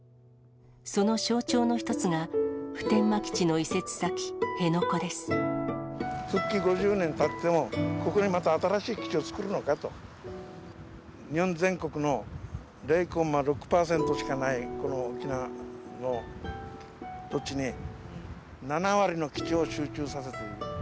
その象徴の一つが、復帰５０年たっても、ここにまた新しい基地を作るのかと、日本全国の０．６％しかないこの沖縄の土地に、７割の基地を集中させている。